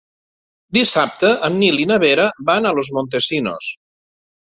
Dissabte en Nil i na Vera van a Los Montesinos.